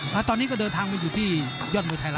แล้วตอนนี้ก็เดินทางมาอยู่ที่ยอดมวยไทยรัฐ